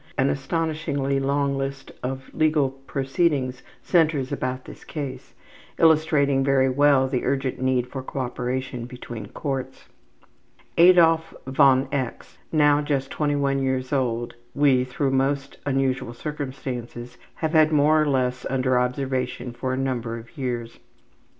An astonishingly long list of legal proceedings centers about this case, illustrating very well the urgent need for cooperation between courts. Adolf von X., now just 21 years old, we, through most unusual circumstances, have had more or less under observation for a number of years.